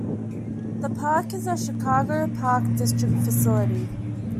The park is a Chicago Park District facility.